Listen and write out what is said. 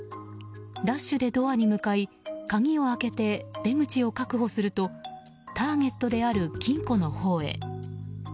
ダッシュでドアに向かい鍵を開けて出口を確保するとターゲットである金庫のほうへ。